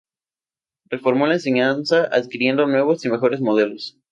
Reformó la enseñanza adquiriendo nuevos y mejores modelos.